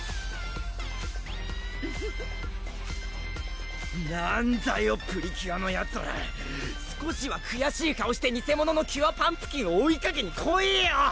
フフフなんだよプリキュアのヤツら少しはくやしい顔して偽者のキュアパンプキンを追いかけにこいよ！